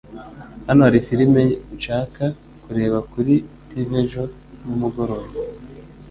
Hano hari firime nshaka kureba kuri TV ejo nimugoroba.